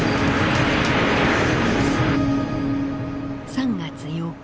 ３月８日。